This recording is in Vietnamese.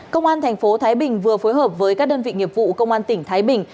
công an tp thái bình vừa phối hợp với các đơn vị nghiệp vụ công an tỉnh thái bình